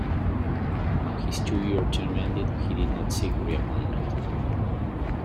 When his two-year term ended, he did not seek reappointment.